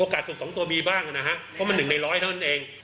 โอกาสถูกสองตัวมีบ้างอะนะฮะเพราะมันหนึ่งในร้อยเท่านั้นเอง